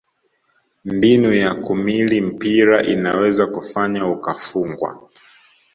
mbinu ya kumili pira inaweza kufanya ukafungwa